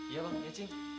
ya bang ya cing